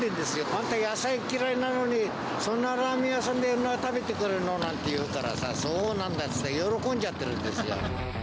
あんた野菜嫌いなのに、そんなラーメン屋さんではそんな食べてくるの？なんて言うからさ、そうなんだって言って、喜んじゃってるんですよ。